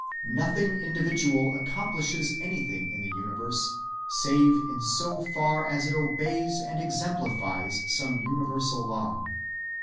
Nothing individual accomplishes anything in the universe save in so far as it obeys and exemplifies some universal law.